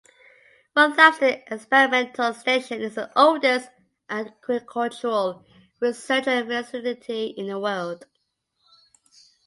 Rothamsted Experimental Station is the oldest agricultural research facility in the world.